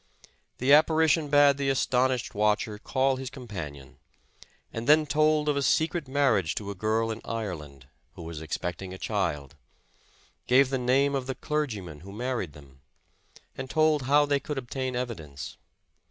The apparition bade the astonished watcher call his companion, and then told of a secret marriage to a girl in Ireland, who was expecting a child; gave the name of the clergyman who married them, and told how they could obtain evi dence.